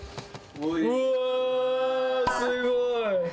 うわー、すごーい！